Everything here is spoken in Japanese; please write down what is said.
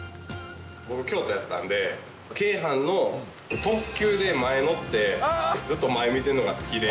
僕、京都やったんで、京阪の特急で前乗ってずっと前見てるのが好きで。